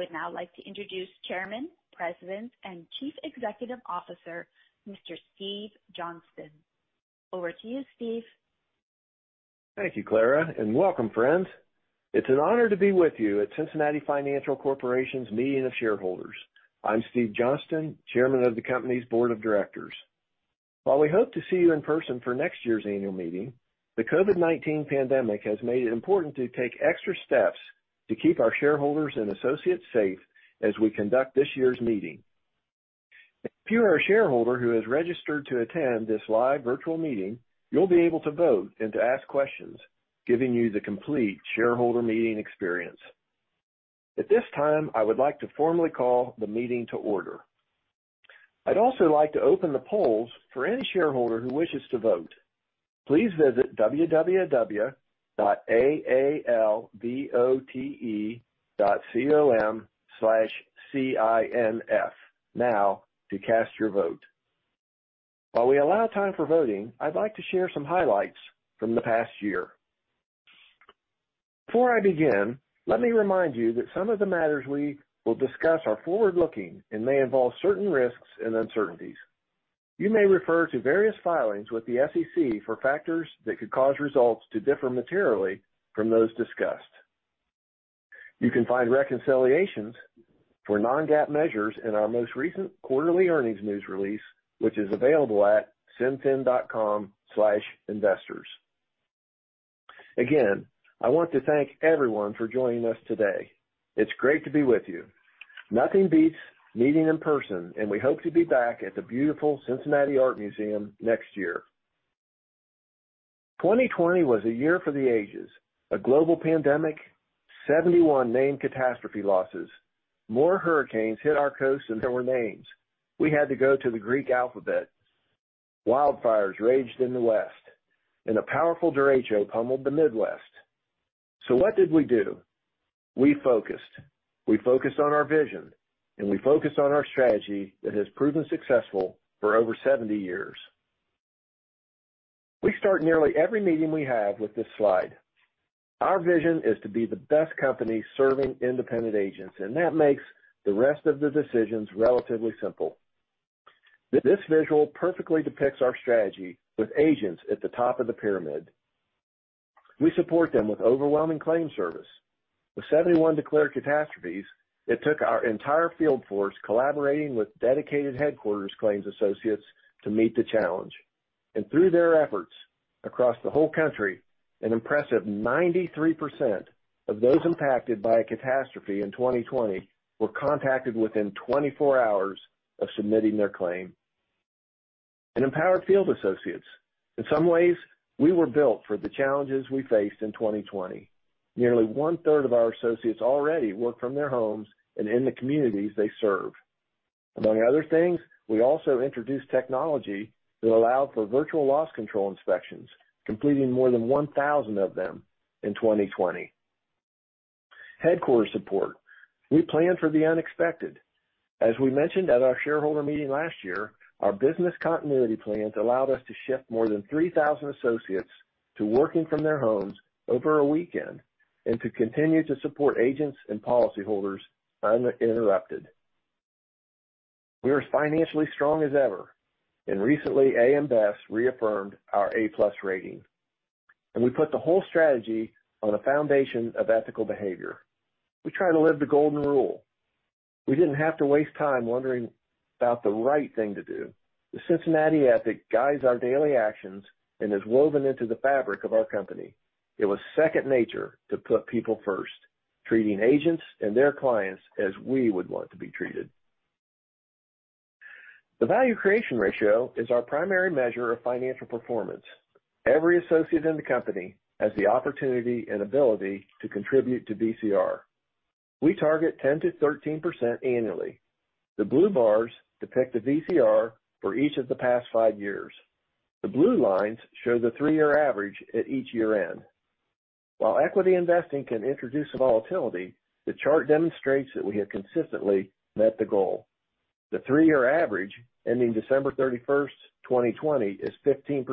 I would now like to introduce Chairman, President, and Chief Executive Officer, Mr. Steven Johnston. Over to you, Steven. Thank you, Clara, and welcome, friends. It's an honor to be with you at Cincinnati Financial Corporation's Meeting of Shareholders. I'm Steven Johnston, Chairman of the company's Board of Directors. While we hope to see you in person for next year's annual meeting, the COVID-19 pandemic has made it important to take extra steps to keep our shareholders and associates safe as we conduct this year's meeting. If you are a shareholder who has registered to attend this live virtual meeting, you'll be able to vote and to ask questions, giving you the complete shareholder meeting experience. At this time, I would like to formally call the meeting to order. I'd also like to open the polls for any shareholder who wishes to vote. Please visit www.aalvote.com/cinf now to cast your vote. While we allow time for voting, I'd like to share some highlights from the past year. Before I begin, let me remind you that some of the matters we will discuss are forward-looking and may involve certain risks and uncertainties. You may refer to various filings with the SEC for factors that could cause results to differ materially from those discussed. You can find reconciliations for non-GAAP measures in our most recent quarterly earnings news release, which is available at cinfin.com/investors. Again, I want to thank everyone for joining us today. It's great to be with you. Nothing beats meeting in person, and we hope to be back at the beautiful Cincinnati Art Museum next year. 2020 was a year for the ages. A global pandemic, 71 named catastrophe losses. More hurricanes hit our coast than there were names. We had to go to the Greek alphabet. Wildfires raged in the West, and a powerful derecho pummeled the Midwest. What did we do? We focused. We focused on our vision, and we focused on our strategy that has proven successful for over 70 years. We start nearly every meeting we have with this slide. Our vision is to be the best company serving independent agents, and that makes the rest of the decisions relatively simple. This visual perfectly depicts our strategy with agents at the top of the pyramid. We support them with overwhelming claim service. With 71 declared catastrophes, it took our entire field force collaborating with dedicated headquarters claims associates to meet the challenge. Through their efforts across the whole country, an impressive 93% of those impacted by a catastrophe in 2020 were contacted within 24 hours of submitting their claim. An empowered field associates. In some ways, we were built for the challenges we faced in 2020. Nearly one-third of our associates already work from their homes and in the communities they serve. Among other things, we also introduced technology that allowed for virtual loss control inspections, completing more than 1,000 of them in 2020. Headquarters support. We plan for the unexpected. As we mentioned at our shareholder meeting last year, our business continuity plans allowed us to shift more than 3,000 associates to working from their homes over a weekend and to continue to support agents and policyholders uninterrupted. We are as financially strong as ever, recently, AM Best reaffirmed our A+ rating. We put the whole strategy on a foundation of ethical behavior. We try to live the golden rule. We didn't have to waste time wondering about the right thing to do. The Cincinnati ethic guides our daily actions and is woven into the fabric of our company. It was second nature to put people first, treating agents and their clients as we would want to be treated. The Value Creation Ratio is our primary measure of financial performance. Every associate in the company has the opportunity and ability to contribute to VCR. We target 10%-13% annually. The blue bars depict the VCR for each of the past five years. The blue lines show the three-year average at each year-end. While equity investing can introduce volatility, the chart demonstrates that we have consistently met the goal. The three-year average ending December 31st, 2020, is 15%,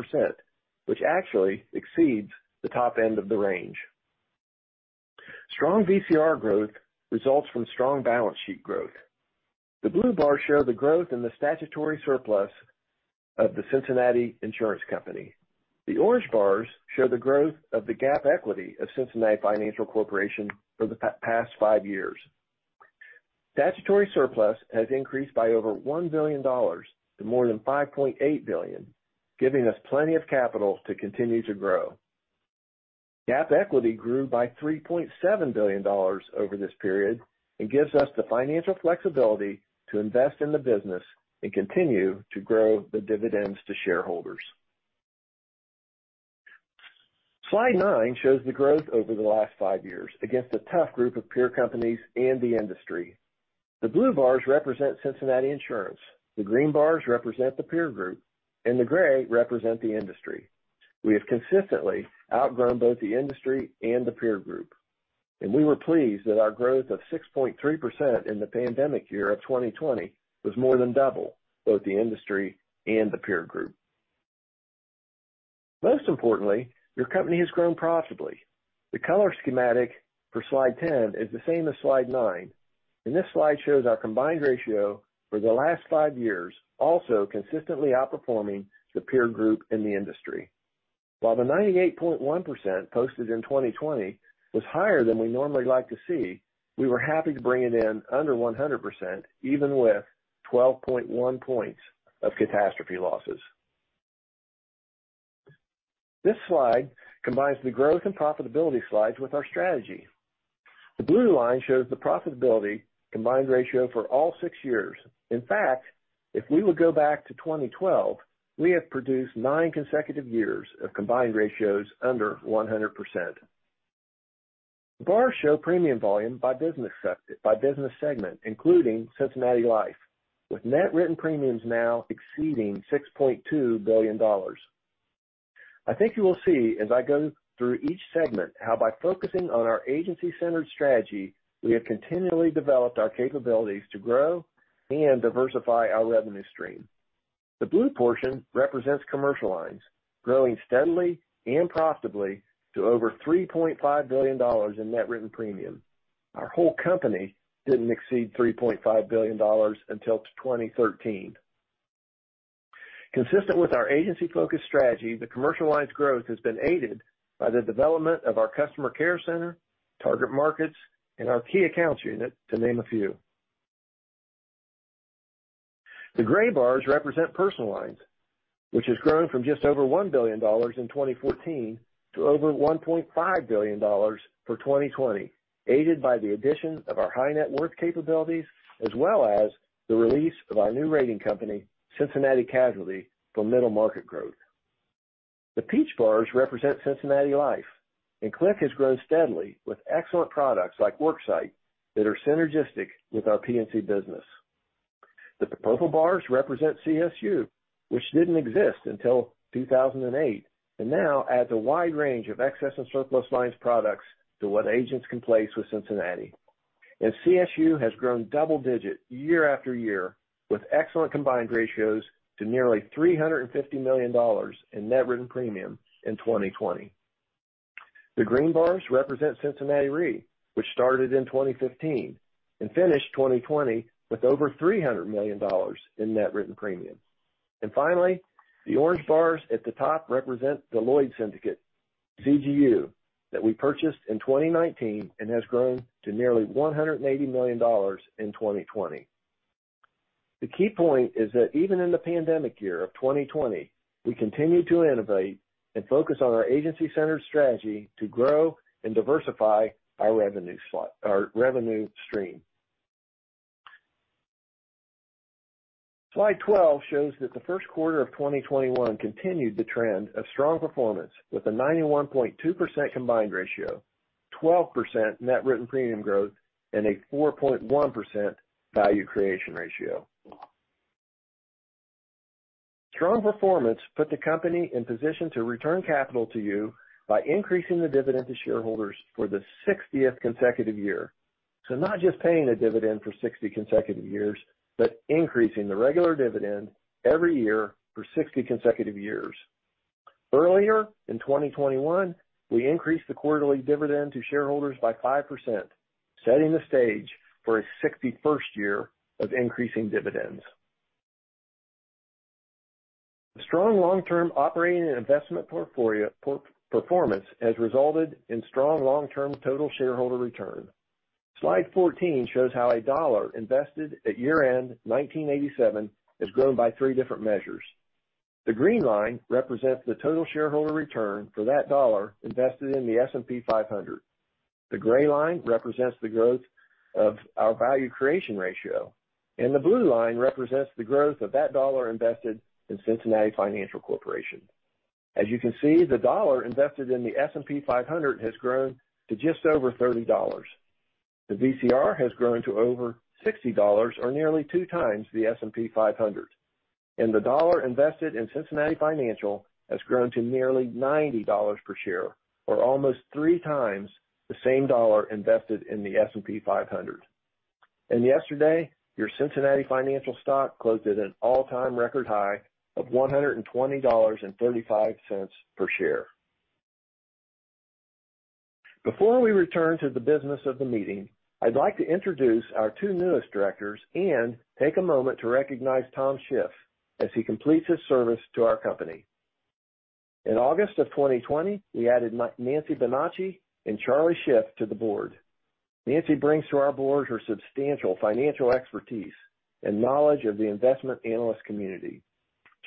which actually exceeds the top end of the range. Strong VCR growth results from strong balance sheet growth. The blue bars show the growth in the statutory surplus of The Cincinnati Insurance Company. The orange bars show the growth of the GAAP equity of Cincinnati Financial Corporation for the past five years. Statutory surplus has increased by over $1 billion to more than $5.8 billion, giving us plenty of capital to continue to grow. GAAP equity grew by $3.7 billion over this period. It gives us the financial flexibility to invest in the business and continue to grow the dividends to shareholders. Slide nine shows the growth over the last five years against a tough group of peer companies and the industry. The blue bars represent Cincinnati Insurance, the green bars represent the peer group, and the gray represent the industry. We have consistently outgrown both the industry and the peer group. We were pleased that our growth of 6.3% in the pandemic year of 2020 was more than double both the industry and the peer group. Most importantly, your company has grown profitably. The color schematic for slide 10 is the same as slide nine. This slide shows our combined ratio for the last five years, also consistently outperforming the peer group in the industry. While the 98.1% posted in 2020 was higher than we normally like to see, we were happy to bring it in under 100%, even with 12.1 points of catastrophe losses. This slide combines the growth and profitability slides with our strategy. The blue line shows the profitability combined ratio for all six years. In fact, if we would go back to 2012, we have produced nine consecutive years of combined ratios under 100%. The bars show premium volume by business segment, including Cincinnati Life, with net written premiums now exceeding $6.2 billion. I think you will see as I go through each segment, how by focusing on our agency-centered strategy, we have continually developed our capabilities to grow and diversify our revenue stream. The blue portion represents commercial lines, growing steadily and profitably to over $3.5 billion in net written premium. Our whole company didn't exceed $3.5 billion until 2013. Consistent with our agency-focused strategy, the commercial lines growth has been aided by the development of our customer care center, target markets, and our key accounts unit, to name a few. The gray bars represent personal lines, which has grown from just over $1 billion in 2014 to over $1.5 billion for 2020, aided by the addition of our high net worth capabilities as well as the release of our new rating company, Cincinnati Casualty, for middle market growth. The peach bars represents Cincinnati Life and CLIC has grown steadily with excellent products like Worksite that are synergistic with our P&C business. The purple bars represent CSU, which didn't exist until 2008 and now adds a wide range of excess and surplus lines products to what agents can place with Cincinnati. CSU has grown double digit year after year with excellent combined ratios to nearly $350 million in net written premium in 2020. The green bars represent Cincinnati Re, which started in 2015 and finished 2020 with over $300 million in net written premiums. Finally, the orange bars at the top represent the Lloyd's Syndicate CGU that we purchased in 2019 and has grown to nearly $180 million in 2020. The key point is that even in the pandemic year of 2020, we continued to innovate and focus on our agency-centered strategy to grow and diversify our revenue stream. Slide 12 shows that the first quarter of 2021 continued the trend of strong performance with a 91.2% combined ratio, 12% net written premium growth, and a 4.1% Value Creation Ratio. Strong performance put the company in position to return capital to you by increasing the dividend to shareholders for the 60th consecutive year. Not just paying a dividend for 60 consecutive years, but increasing the regular dividend every year for 60 consecutive years. Earlier in 2021, we increased the quarterly dividend to shareholders by 5%, setting the stage for a 61st year of increasing dividends. The strong long-term operating and investment performance has resulted in strong long-term total shareholder return. Slide 14 shows how a dollar invested at year-end 1987 has grown by three different measures. The green line represents the total shareholder return for that dollar invested in the S&P 500. The gray line represents the growth of our Value Creation Ratio. The blue line represents the growth of that dollar invested in Cincinnati Financial Corporation. As you can see, the dollar invested in the S&P 500 has grown to just over $30. The VCR has grown to over $60 or nearly 2x the S&P 500. The dollar invested in Cincinnati Financial has grown to nearly $90 per share, or almost three times the same dollar invested in the S&P 500. Yesterday, your Cincinnati Financial stock closed at an all-time record high of $120.35 per share. Before we return to the business of the meeting, I'd like to introduce our two newest directors and take a moment to recognize Tom Schiff as he completes his service to our company. In August of 2020, we added Nancy Benacci and Charlie Schiff to the board. Nancy brings to our board her substantial financial expertise and knowledge of the investment analyst community.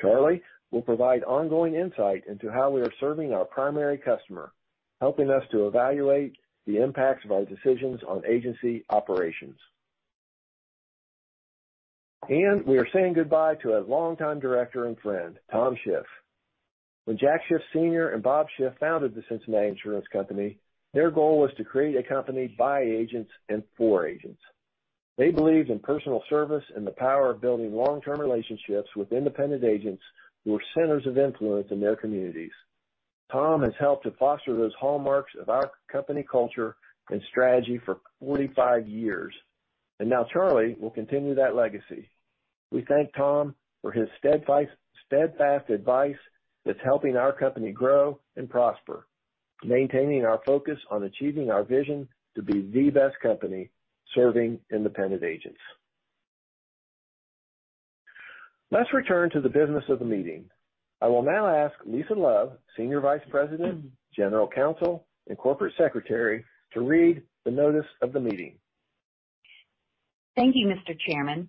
Charlie will provide ongoing insight into how we are serving our primary customer, helping us to evaluate the impacts of our decisions on agency operations. We are saying goodbye to a longtime director and friend, Tom Schiff. When Jack Schiff Sr. and Bob Schiff founded The Cincinnati Insurance Company, their goal was to create a company by agents and for agents. They believed in personal service and the power of building long-term relationships with independent agents who were centers of influence in their communities. Tom has helped to foster those hallmarks of our company culture and strategy for 45 years. Now Charlie will continue that legacy. We thank Tom for his steadfast advice that's helping our company grow and prosper, maintaining our focus on achieving our vision to be the best company serving independent agents. Let's return to the business of the meeting. I will now ask Lisa Love, Senior Vice President, General Counsel, and Corporate Secretary, to read the notice of the meeting. Thank you, Mr. Chairman.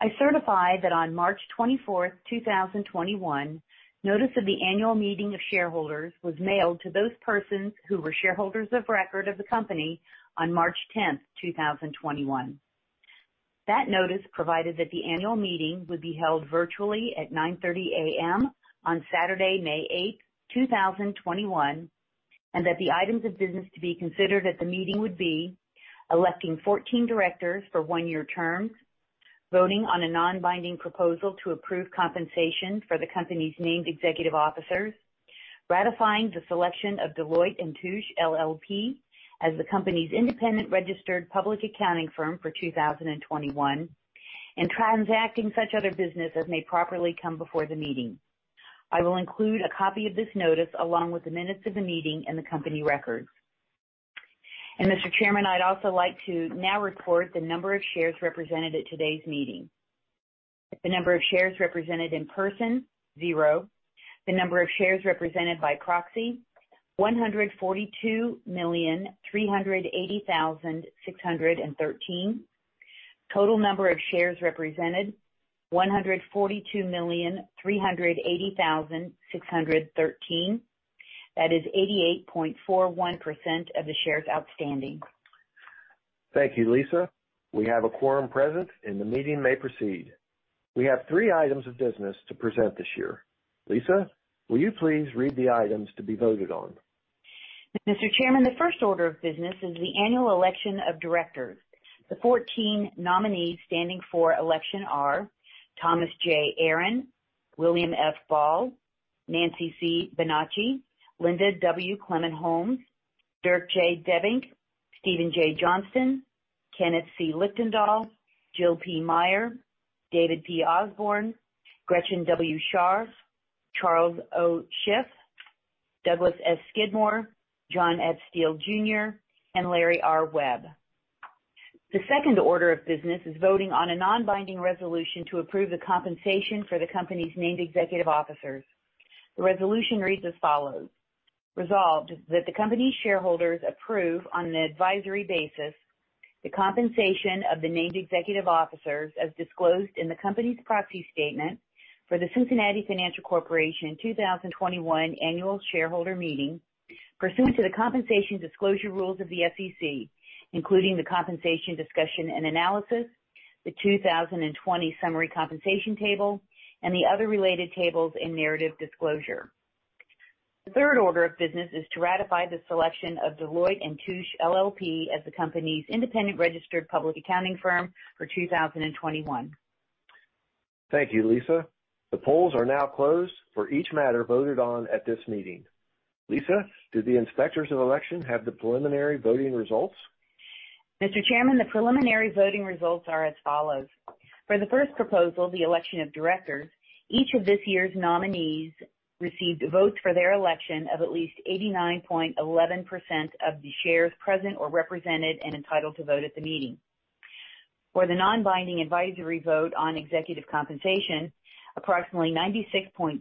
I certify that on March 24, 2021, notice of the annual meeting of shareholders was mailed to those persons who were shareholders of record of the company on March 10, 2021. That notice provided that the annual meeting would be held virtually at 9:30 AM on Saturday, May 8, 2021, and that the items of business to be considered at the meeting would be electing 14 directors for one-year terms, voting on a non-binding proposal to approve compensation for the company's named executive officers, ratifying the selection of Deloitte & Touche LLP as the company's independent registered public accounting firm for 2021, and transacting such other business as may properly come before the meeting. I will include a copy of this notice along with the minutes of the meeting in the company record. Mr. Chairman, I’d also like to now report the number of shares represented at today’s meeting. The number of shares represented in person, zero. The number of shares represented by proxy, 142,380,613. Total number of shares represented, 142,380,613. That is 88.41% of the shares outstanding. Thank you, Lisa. We have a quorum present. The meeting may proceed. We have three items of business to present this year. Lisa, will you please read the items to be voted on? Mr. Chairman, the first order of business is the annual election of directors. The 14 nominees standing for election are Thomas J. Aaron, William F. Bahl, Nancy C. Benacci, Linda W. Clement-Holmes, Dirk J. Debbink, Steven J. Johnston, Kenneth C. Lichtendahl, Jill P. Meyer, David P. Osborn, Gretchen W. Schar, Charles O. Schiff, Douglas S. Skidmore, John F. Steele, Jr., and Larry R. Webb. The second order of business is voting on a non-binding resolution to approve the compensation for the company's named executive officers. The resolution reads as follows. Resolved that the company's shareholders approve, on an advisory basis, the compensation of the named executive officers as disclosed in the company's proxy statement for the Cincinnati Financial Corporation 2021 annual shareholder meeting pursuant to the compensation disclosure rules of the SEC, including the compensation discussion and analysis, the 2020 summary compensation table, and the other related tables and narrative disclosure. The third order of business is to ratify the selection of Deloitte & Touche LLP as the company's independent registered public accounting firm for 2021. Thank you, Lisa. The polls are now closed for each matter voted on at this meeting. Lisa, do the inspectors of election have the preliminary voting results? Mr. Chairman, the preliminary voting results are as follows. For the first proposal, the election of directors, each of this year's nominees received votes for their election of at least 89.11% of the shares present or represented and entitled to vote at the meeting. For the non-binding advisory vote on executive compensation, approximately 96.57%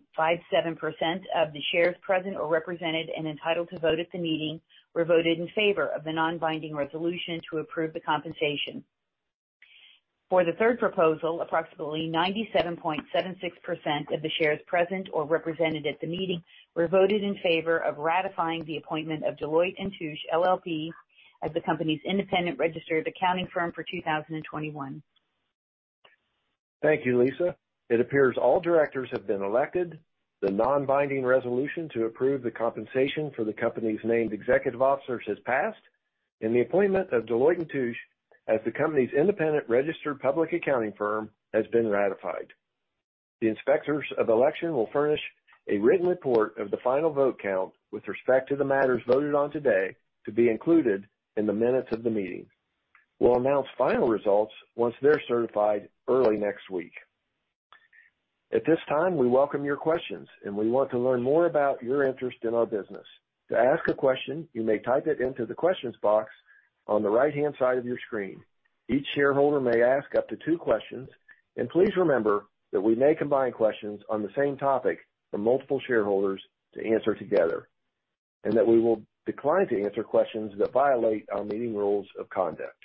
of the shares present or represented and entitled to vote at the meeting were voted in favor of the non-binding resolution to approve the compensation. For the third proposal, approximately 97.76% of the shares present or represented at the meeting were voted in favor of ratifying the appointment of Deloitte & Touche LLP as the company's independent registered accounting firm for 2021. Thank you, Lisa. It appears all directors have been elected, the non-binding resolution to approve the compensation for the company's named executive officers has passed, and the appointment of Deloitte & Touche as the company's independent registered public accounting firm has been ratified. The inspectors of election will furnish a written report of the final vote count with respect to the matters voted on today to be included in the minutes of the meeting. We'll announce final results once they're certified early next week. At this time, we welcome your questions, and we want to learn more about your interest in our business. To ask a question, you may type it into the questions box on the right-hand side of your screen. Each shareholder may ask up to two questions, and please remember that we may combine questions on the same topic from multiple shareholders to answer together, and that we will decline to answer questions that violate our meeting rules of conduct.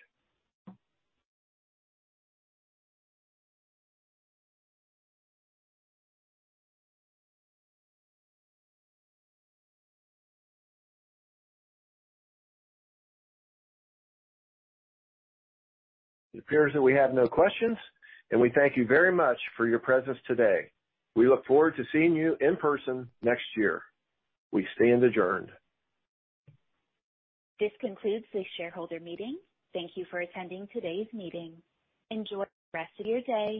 It appears that we have no questions, and we thank you very much for your presence today. We look forward to seeing you in person next year. We stand adjourned. This concludes the shareholder meeting. Thank you for attending today's meeting. Enjoy the rest of your day.